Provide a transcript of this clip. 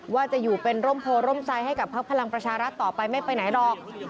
ว่าจะอยู่เป็นร่มโพร่มใจให้กับพักพลังประชารัฐต่อไปไม่ไปไหนหรอก